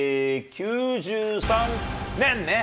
９３年ね。